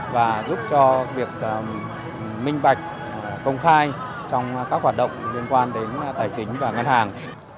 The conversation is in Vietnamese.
và giúp cho việc minh bạch công khai trong các hoạt động liên quan đến tài chính và ngân hàng